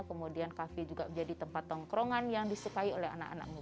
kemudian kafe juga menjadi tempat tongkrongan yang disukai oleh anak anak muda